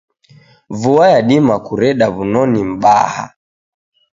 Vua yadima kureda wunoni m'baha.